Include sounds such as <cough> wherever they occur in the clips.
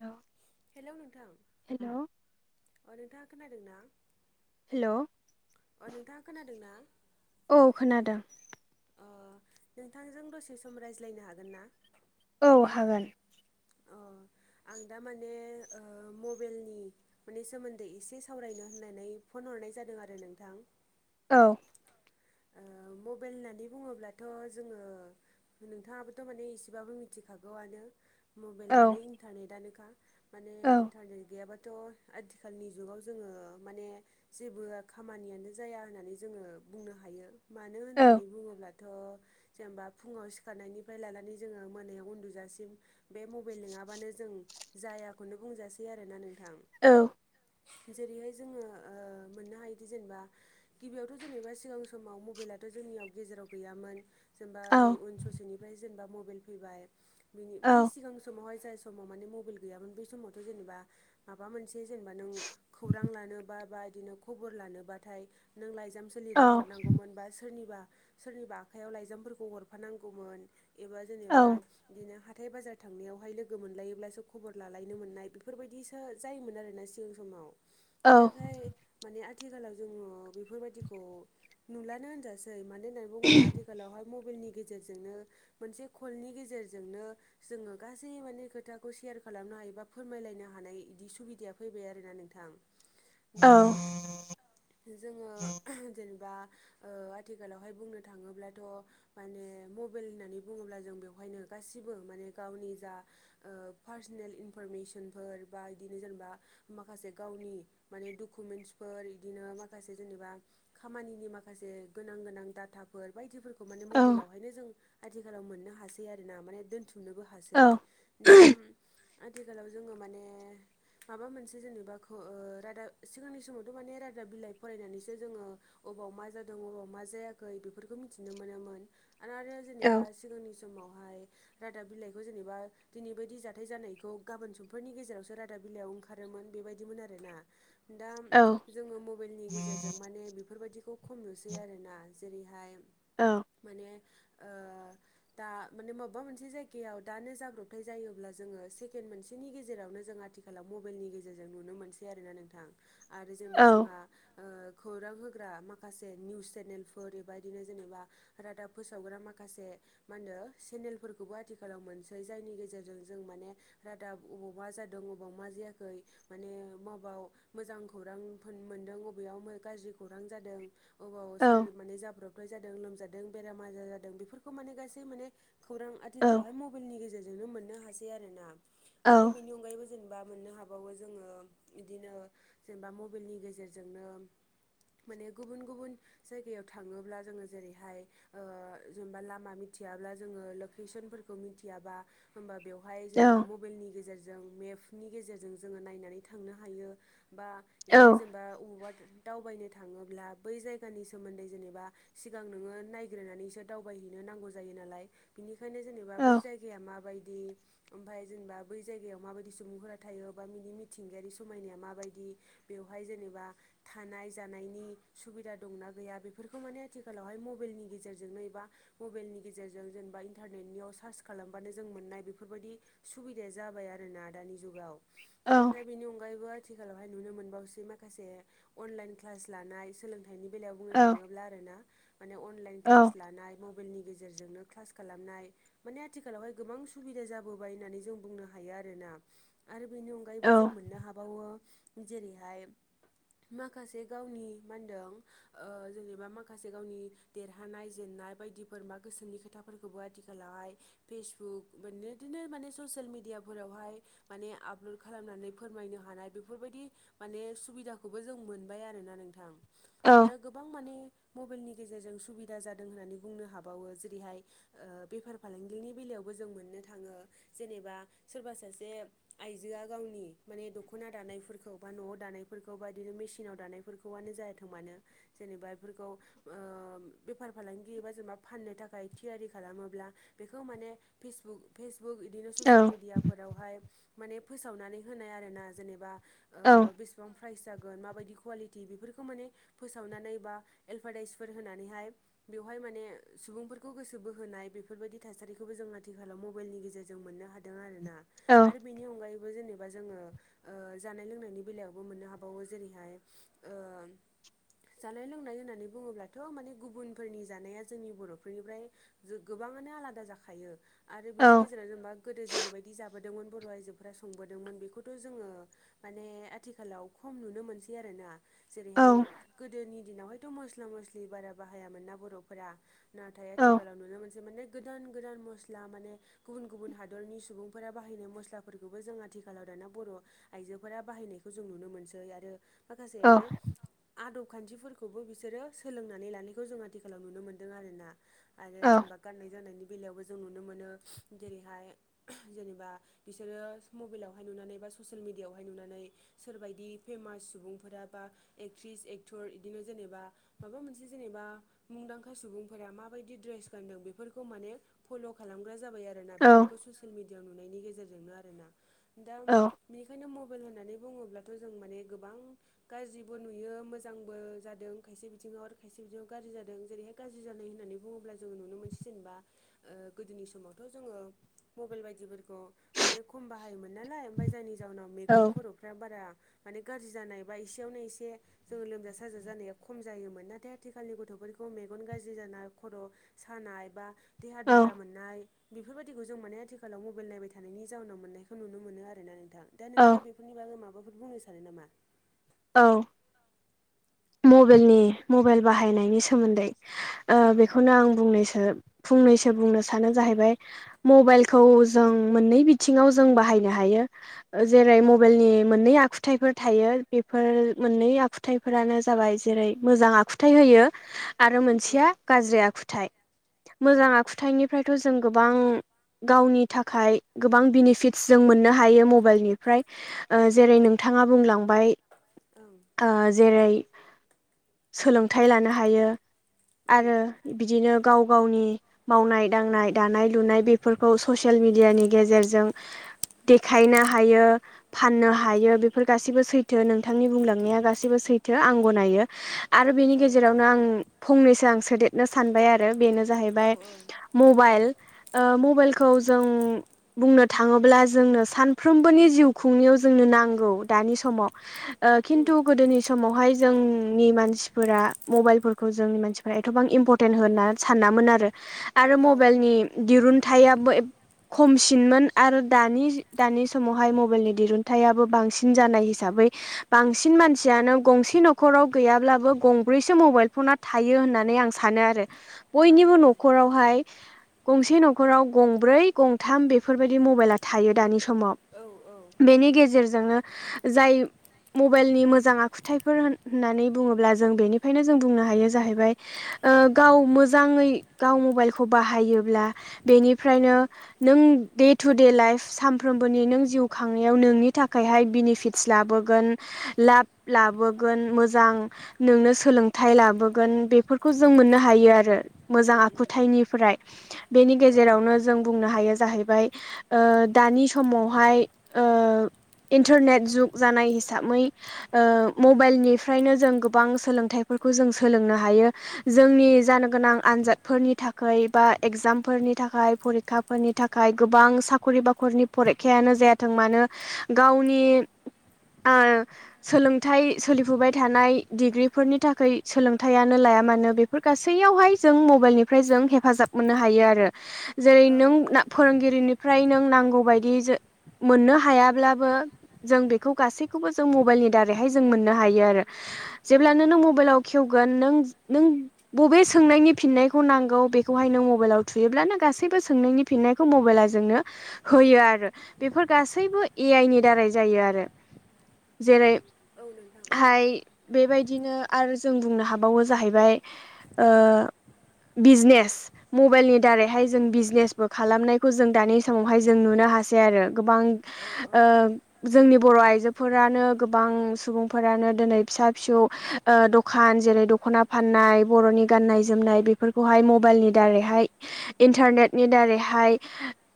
औ। हेल' नोंथां। हेल'। अ नोंथाङा खोनादों ना? हेल'। अ नोंथाङा खोनादों ना? औ खोनादों। अ नोंथांजों दसे सम रायज्लायनो हागोन ना? औ हागोन। अ आं दा माने ओ मबाइेलनि माने सोमोन्दै एसे सावरायनो होननानै फन हरनाय जादों आरो नोंथां। औ। ओ मबाइल होननानै बुङोब्लाथ' जोङो नोंथाङाबोथ' माने एसेबाबो मिथिखागौआनो। मबाइल औ माने इन्टारनेटनोखा माने औ इन्टारनेट गैयाबाथ' आथिखालनि जुगाव जोङो माने जेबो खामानियानो जाया होननानै जोङो बुंनो हायो मानो औ होननानै बुङोब्ला थ' जेनेबा फुङाव सिखारनायनिफ्राय लानानै जोङो मोनायाव उन्दुजासिम बे मबाइल लिङाबानो जों जायाखौनो बुंजासै आरोना नोंथां। औ। जेरैहाय जोङो ओ मोननो हायोदि जेनेबा गिबियावथ' जेनेबा सिगां समाव मबाइलाथ' जोंनियाव गेजेराव गैयामोन। जेनेबा औ नै उन ससेनिफ्राय जेनेबा मबाइल फैबाय बिनि औ बै सिगां समावहाय जाय समाव माने मबाइल गैयामोन बै समावथ' जेनेबा माबा मोनसे जेनेबा नों खौरां लानोबा बा बिदिनो खबर लानोबाथाय नों लाइजाम औ लिरना हरनांगौमोन बा सोरनिबा सोरनिबा आखाइयाव लाइजामफोरखौ हरफानांगौमोन एबा जेनेबा बिदिनो हाथाय बाजार थांनायावहाय लोगो मोनलायोब्लासो खबर लालायनो मोननाय बेफोरबायदिसो जायोमोन आरोोना सिगां समाव औ नाथाय माने आथिखालाव जोङो बेफोरबायदिखौ नुलानो होनजासै मानो होननानै बुङोब्ला आथि थिखालावहाय मबाइलनि गेजेरजोंनो मोनसे कलनि गेजेरजोंनो जोङो गासै माने खोथाखौ सेयार खालामनो हायो बा फोरमायलायनो हानाय बिदि सुबिदाया फैबाय आरोोना नोंथां। औ दा जोङो जेनेबा आथिखालावहाय बुंनो थाङोब्लाथ' - माने मबाइल होननानै बुङोब्ला जों बेवहायनो गासिबो माने गावनि जा ओ पार्सनेल इनफरमेसनफोर बा बिदिनो जेनेबा माखासे गावनि माने डकुमेन्टसफोर इदिनो माखासे जेनेबा खामानिनि माखासे गोनां गोनां डाटाफोर बायदिफोरखौ खौ माने औ मबाइल आावहायनो जों आथिखालाव मोननो हासै आरो नोना माने दोनथुमनोबो औ खासै दा आथिखालाव जोङो माने माबा मोनसे जेनेबा रादाब सिगांनि समावथ' माने रादाब बिलाइ फरायनानैसो जोङो अबाव मा जादों अबाव मा जायाखै बेफोरखौ मिथिनो मोनोमोन आरो औ जेनेबा सिगांनि समावहाय रादाब बिलाइखौ जेनेबा दिनै बायदि जाथाय जानायखौ गाबोन समफोरनि गेजेरावसो रादाब बिलाइयाव ओंखारोमोन बेबायदिमोन आरोना। दा औ जोङो मबाइलनि गेजेरजों माने बेफोरबायदिखौ खम नुसै आरोना। जेरैहाय औ औ। औ माने ओ दा माने मा मबेबा मोनसे जायगायाव दानो जाब्रबथाय जायोब्ला जोङो सेकेणड मोनसेनि गेजेरावनो जों आथिखालाव आथिखालाव मबाइलनि गेजेरजों नुनो मोनसै आरोना नोंथां आरो जेनेबा जोंहा ओ‌खौरां होग्रा माखासे निउस चेनेलफोर बेबदिनो जेनेबा रादाब फोसावग्रा माखासे मा होनो सेनेल फोरखौबो आथिखालाव मोनसै जायनि गेजेरजों जों माने रादाब अबाव मा जादों अबाव मा जायाखै माने माबेयाव मोजां खौरां मोनदों बबेयाव गाज्रि खौरां जादों। अबाव सोर माने जाब्रबथाय जादों लोमजादों बेराम आजार जादों बेफोरखौ माने गासै माने। खौरां आथिखालावहाय मबाइलनि गेजेरजोंनो मोननो हासै आरोना आरो बेनि अनगायैबो जेनेबा मोननो हागौ। बावो जोङो बिदिनो जेनेबा मबाइलनि गेजेरजोंनो। माने गुबुन गुबुन जायगायाव थाङोब्ला जोङो जेरैहाय जेनेबा लामा मिथियाब्ला। जोङो लकेसनफोरखौ मिथियाबा होमबा बेवहाय जेनेबा मबाइलनि गेजेरजों मेप बि नि गेजेरजों जोङो नायनानै थांनो हायो बा बिदिनो जेनेबा बबावबा। दावबायनो थाङोब्ला बै जायगानि सोमोन्दै जेनेबा सिगां नोङो नायग्रोननानैसो दावबायहैनो नांगौ जायो नालाय। बिनिखायनो जेनेबा बै जायगाया माबायदि ओमफ्राय जेनेबा बै जायगायाव माबायदि सुबुंफोरा थायो बा बिनि मिथिंगायारि समायनाया माबायदि। बेवहाय जेनेबा थानाय जानायनि सुबिदा दंना गैया बेफोरखौ माने आथिखालावहाय मबाइलनि गेजेरजोंनो एबा मबाइलनि गेजेरजों जेनेबा इन्टारनेटनियाव सार्च खालामबानो जों मोननाय बेफोरबायदि। सुबिदाया जाबाय आरोोना दानि जुगाव दा बेनि अनगायैबो। आथिखालावहाय नुनो मोनबावसै माखासे अनलाइन क्लास लानाय सोलोंथ नि बेलायाव बुंनो थाङोब्ला आरो ना माने अनलाइन क्लास लानाय मबाइलनि गेजेरजोंनो क्लास खालामनाय माने आथिखालावहाय गोबां सुबिदा जाबोबाय होननानै जों बुंनो हायो आरोना। आरो बेनि अनगायैबो जों मोननो हाबावो जेरैहाय माखासे गावनि मा होनदों ओ जेनेबा माखासे गावनि देरहानाय जेननाय बायदिफोर बा गोसोनि खोथा फोरखौबो आथिखालावहाय फेसबुक बिदिनो माने ससियेल मिडियाफोरावहाय माने आपलड खालामनानै फोरमायनो हानाय बेफोरबायदि माने सुबिदाखौबो जों मोनबाय आरोना नोंथां। दा गोबां माने मबाइलनि गेजेरजों सुबिदा जादों होननानै बुंनो हाबावो जेरैहाय। बेफार फालांगिनि बेलायावबो जों मोननो थाङो। जेनेबा सोरबा सासे आइजोआ गावनि माने दख'ना दानायफोरखौ बा न'आव दानाय। फोरखौ बा बिदिनो मेसिनाव दानायफोरखौआनो जायाथों मानो जेनेबा बेफोरखौ ओ बेफार फालांगि बा जेनेबा फाननो थाखाय थियारि खालामोब्ला बेखौ माने फेसबुक फेसबुक इदिनो ससियेल औ मिडियाफोरावहाय माने फोसावनानै होनाय आरो ना जेनेबा ओ बिस सम प्राइस जागोन माबायदि कुवालिटि बेफोरखौ माने फोसावनानै बा एलभारडाइसफोर होनानैहाय बेवहाय माने सुबुंफोर खौ गोसो बोहोनाय बेफोरबायदि थासारिखौबो जों आथिखालाव मबाइलनि गेजेरजों मोननो हादों आरोना आरो बेनि अनगायैबो जेनेबा जोङो ओ जानाय लोंनायनि बेलायावबो मोननो हाबावो जेरैहाय ओ जानाय लोंनाय होननानै बुङोब्लाथ' माने गुबुनफोरनि जानाया जोंनि बर' बेफोरनिफ्राय गोबाङानो आलादा जाखायो आरो बिनि गेजेराव जेनेबा गोदो जेरैबायदि जाबोदोंमोन बर' आइजोफोरा संबोदोंमोन बेखौथ' जोङो माने आथिखालाव खम नुनो मोनसै आरोना। जेरैहाय गोदोनि दिनावहायथ' मस्ला-मस्लि बारा बाहायामोन ना बर'फोरा। नाथाय आथिखालाव नुनो मोनसे माने गोदान गोदान मस्ला माने गुबुन गुबुन हादरनि सुबुंफोरा बाहायनाय मस्लाफोरखौबो जों आथिखालाव दाना बर' आइजोफोरा बाहायनायखौ जों नुनो मोनसै आरो माखासे माने आदब खान्थिफोरखौबो बिसोरो सोलोंनानै लानायखौ जों आथिखालाव नुनो मोनदों आरोना। आरो जेनेबा गाननाय जोमनायनि बेलायावबो जों नुनो मोनो <unintelligible> जेरैहाय <unintelligible> जेनेबा बिसोरो मबाइलावहाय नुनानै बा ससियेल मिडियाआवहाय नुनानै सोरबायदि फेमास सुबुंफोरा बा एक्ट्रिस एक्टर इदिनो जेनेबा माबा मोनसे जेनेबा मुंदांखा सुबुं फोरा माबायदि द्रेस गानदों बेफोरखौ माने फल' खालामग्रा जाबाय आरोना बेफोरखौ ससे सियेल मिडियाआव नुनायनि गेजेरजोंनो आरो ना दा बेनिखायनो मबाइल होननानै बुङोब्लाथ' जों माने गोबां गाज्रिबो नुयो मोजांबो जादों खायसे बिथिङाव आरो खायसे बिथिङाव गाज्रि जादों जेरैहाय गाज्रि ज्रि जानाय होननानै बुङोब्ला जोङो नुनो मोनसै जेनेबा ओ गोदोनि समावथ' जोङो मबाइल बायदिफोरखौ माने खम बाहायोमोन नालाय ओमफाय जायनि जाउनाव मेगन खर'फ्रा बारा माने गाज्रि जानाय बा एसेयावनो एसे जोङो लोमजा साजा जानाया खम जायोमोन नाथाय आथिखालनि गथ'फोरखौ मे गन गाज्रि जानाय खर' सानाय बा देहा औ दुब्ला मोन नाय बेफोरबायदिखौ जों माने आथिखालाव मबाइल नायबाय थानायनि जाउनाव मोननायखौ नुनो मोनो आरोना नोंथां। दा नोंथाङा बेफोरनि बागै माबाफोर बुंनो सानो नामा? औ। मबेलनि मबाइल बाहायनायनि सोमोन्दै ओ औ बेखौनो आं बुंनोसो फंनैसो बुंनो सानो जाहैबाय औ मबाइलखौ जो जों मोननै बिथिङाव जों बाहायनो हायो जेरै औ मबाइलनि ओ मोननै आखुथाइफोर थायो बेफोर मोननै आखुथायाइफोरानो जाबाय जेरै मोजां आखुथायाइ होयो। आरो मोनसेया गाज्रि आखुथायाइ मोजां आखुथायाइनिफ्रायथ' जों गोबां गावनि थाखाय गोबां बेनिफिटस जों मोननो हायो मबाइलनि ओमफ्राय ओ जेरै नोंथाङा बुंलांबाय ओं ओ जेरै सोलोंथाइ लानो हायो उम आरो बिदिनो गाव गावनि मावनाय दांनाय दानाय लुनाय बेफोरखौ ससियेल मिेडियानि गेजेरजों देखायनो हायो। फाननो औ हायो बेफोर गासैबो सैथो नोंथांनि बुंलांनाया गाैबो सैथो आं गनायो। आरो बेनि औ गेजेरावनो आं फंनैसो आं सोदेरनो सानबाय आरो बेनो जाहैबाय औ मबाइल ओ मबाइलखौ जों बुंनो थाङोब्ला जोंनो सानफ्रोमबोनि जिउ खुंनायाव जोंनो नांगौ दानि समाव <inaudible> ओ खिन्थु गोदोनि समावहाय जोंनि मानसिफोरा मबाइलफोरखौ जोंनि मानसिफोरा एथबां इम्पर्ट तेन होना सानामोन आरो आरो औ मबाइलनि दिरुनथाइाबो खमसिनमोन आरो दानि दानि समावहाय मबाइलनि दिरुनन्थाइआबो बांसिन जानाय हिसाबै बांसिन मानसियानो गंसे न'खराव गैयाब्लाबो गंब्रैसो मबाइल फना थायो होननानै आं सानो आरो औ बयनिबो न'खरावहाय गंसे न'खराव गंब्रै गंथाम बेफोरबायदि मबाइला थायो दानि समाव औ-औ बेनि गेजेरजोंनो जाय मबाइलनि मोजां आखु थाइफोर होन होननानै बुङोब्ला जों बेनिफ्रायनो जों बुंनो हायो जाहैबाय ओ गाव मोजाङै गाव मबाइलखौ बाहायोब्ला बेनिफ्रायनो नों दे टु दे लाइफ सानफ्रोमबोनि नों जिउ खांनायाव नोंनि थाखायहाय बेनिफिट लाबोगोन लाब लाबोगोन मोजां नोंनो सोलोंथाइ लाबोगोन बेफोरखौ जों मोननो हायो आरो उम मोजां आखुथायाइनिफ्राय बेनि औ गेजेरावनो जों बुंनो हायो जाहैबाय ओ दानि समावहाय ओ इन्टारनेट जुग जानाय हिसाबै ओ मबाइलनिफ्रायनो जों गोबां सोलोंथाइफोरखौ जों सोलोंनो हायो। जोंनि जानो गोनां आनजादफोरनि थाखाय बा एग्जामफोरनि थाखाय फरिखा फोरनि थाखाय गोबां साख'रि बाख'रिनि फरिखायानो जायाथों मानो गावनि आ सोलोंथाइ सोलिफुबाय थानाय डिग्रिफोरनि थाखाय सोलोंथायाइानो लाया मानो बे फोर गासैयावहाय जों मबाइलनिफ्राय जों हेफाजाब मोननो हायो आरो जेरै औ नों फोरोंगिरिनिफ्राय नों नांगौबायायदि जो मोननो हायाब्लाबो जों बेखौ गासैखौबो जों मबाइलनि दारैहाय जों मोननो हायो आरो औ जेब्लानो नों मबाइलाव खेवगोन नों नों बबे सोंनायनि फिननायखौ नांगौ बेखौहाय नों मबाइलाव थुयोब्लानो गासैबो सोंनायनि फिननायखौ मबाइलाजोंनो होयो आरो बेफोर गासैबो ए आइ नि दारै जायो आरो जेरै औ नोंथां। हाय बेबायदिनो आरो जों बुंनो हाबावो जाहैबाय ओ बिजनेस मबाइलनि दारैहाय जों बिजनेसबो खालामनायखौ जों दानि समावहाय जों नुनो हासै आरो गोबां औ औ ओ जोंनि बर' आइजोफोरानो गो गोबां सुबुंफोरानो दिनै फिसा फिसौ दखान जेरै दख'ना फाननाय बर'नि गाननाय जोमनाय बेफोरखौहाय मबाइलनि दारैहाय इन्टारनेटनि दारैहाय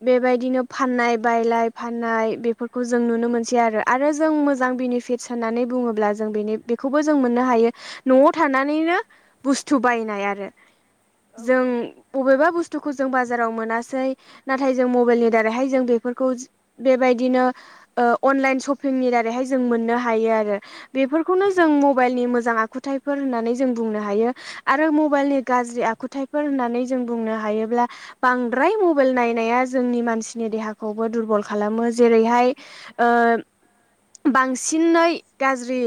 बेबायदिनो फाननाय बायलाय फाननाय बेफोरखौ जों नुनो मोनसै आरो आरो जों औ मोजां बेनि फेटस स होननानै बुङोब्ला जों बेनि बेखौबो जों मोननो हायो न'आव थानानैनो बुस्थु बायनाय आरो औ उम औ जों बबेबा बुस्थुखौ जों बाजाराव मोनासै नाथाय जों मबाइलनि दारैहाय जों बेफोरखौ बेबायदिनो अनलाइन सशपिंनि दारैहाय जों मोननो हायो आरो बेफोरखौनो जों मबाइलनि मोजां आखुथायाइफोर होननानै जों बुंनो हायो। आरो मबाइलनि गाज्रि आखुथायफोर होननानै जों बुंनो हायोब्ला बांद्राय मबाइल नायनाया जोंनि मानसिनि देहाखौबो दुरबल खालामो जेरैहाय ओ बांसिननै गाज्रि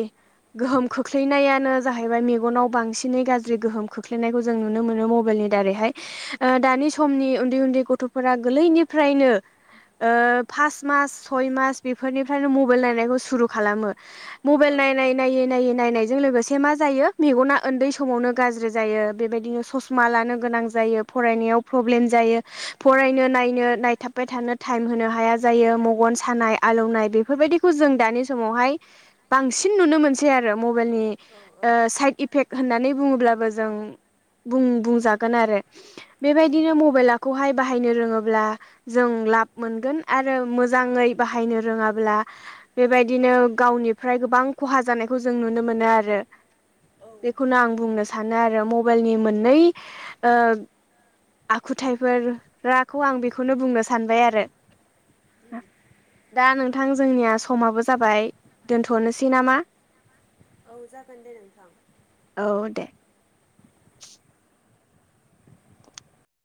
गोहोम खोख्लैनायानो जाहैबाय मेगनाव बांसिनै गाज्रि गोहोम खोख्लैनायखौ जों नुनो मोनो मबाइलनि दारैहाय दानि समनि उन्दै उन्दै गथ'फोरा गोरलैनिफ्रायनो ओ पास मास सय मास बेफोरनिफ्रायनो मबाइल लायनायखौ सुरु खालामो मबाइल औ औ नायनाय नायै नायै नायनायजों लोगोसे मा जायो मेगना उन्दै समावनो गाज्रि जायो बेबायदिनो ससमा लानो गोनां जायो फरायनायाव प्रब्लेम जायो फरायनो नायनो नायथाबबाय थानो टाइम होनो हाया जायो मगन सानाय आलौनाय बेफोरबायदिखौ जों दानि समावहाय बांसिन नुनो मोनसै आरो मबाइनि ओ साइद इफेक्ट होननानै बुङोब्लाबो जों बुं-बुंजागोन आरो। बेबायदिनो मबाइलाखौहाय बाहायनो रोङोब्ला जों लाब मोनगोन आरो मोजाङै बाहायनो रोङाब्ला बेबाय बिदिनो गावनिफ्राय गोबां खहा जानायखौ जों नुनो मोनो आरो बेखौनो आं बुंनो सानो आरो मबाइलनि मोननै ओ आखुथायाइफोराखौ आं बेखौनो बुंनो सानबाय आरो दा नोंथां जोंनिया समाबो जाबाय दोनथ'नोसै नामा? औ जागोन दे नोंथां। औ दे